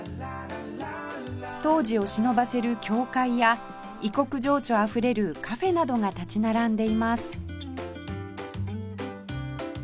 当時をしのばせる教会や異国情緒あふれるカフェなどが立ち並んでいます